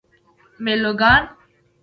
میلوگان